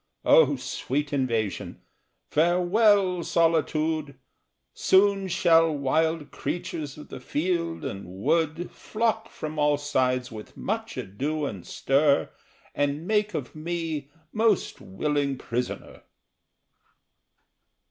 O sweet invasion! Farewell solitude! Soon shall wild creatures of the field and wood Flock from all sides with much ado and stir, And make of me most willing prisoner!